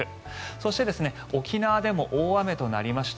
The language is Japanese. そして沖縄でも大雨となりました。